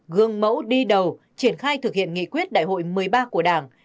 gương mẫu đi đầu triển khai thực hiện nghị quyết đại hội một mươi ba của đảng